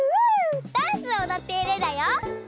ダンスをおどっているんだよ。